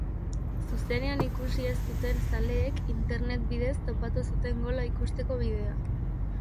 Zuzenean ikusi ez zuten zaleek, internet bidez topatu zuten gola ikusteko bidea.